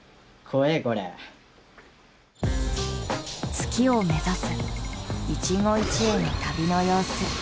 月を目指す一期一会の旅の様子。